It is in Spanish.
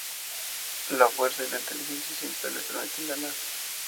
La fuerza y la inteligencia siempre les permiten ganar.